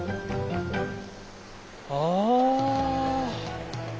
ああ！